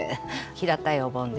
平たいお盆です。